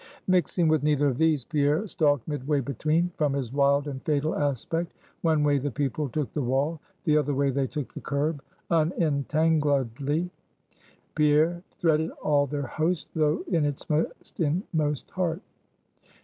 Mixing with neither of these, Pierre stalked midway between. From his wild and fatal aspect, one way the people took the wall, the other way they took the curb. Unentangledly Pierre threaded all their host, though in its inmost heart.